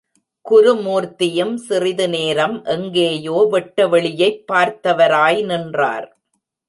குரூமூர்த்தியும் சிறிது நேரம் எங்கேயோ வெட்டவெளியைப் பார்த்தவராய் நின்றார்.